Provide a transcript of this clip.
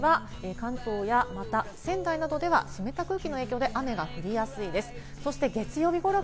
土日は関東や仙台などでは湿った空気の影響で雨が降りやすいです。